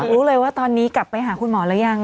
รู้เลยว่าตอนนี้กลับไปหาคุณหมอแล้วยัง